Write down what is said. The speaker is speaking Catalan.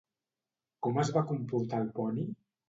Com es va comportar el poni?